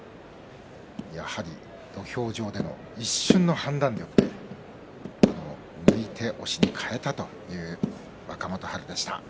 やはり土俵上での一瞬の判断力で抜いて押しに変えたという若元春でした。